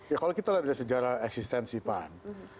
ya kalau kita lihat dari sejarah eksistensi pan